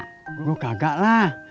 kok gak lah